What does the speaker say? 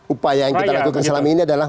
upaya yang kita lakukan selama ini adalah